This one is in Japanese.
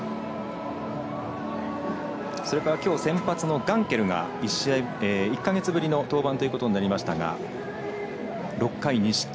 それからきょう先発のガンケルが１か月ぶりの登板となりましたが６回２失点。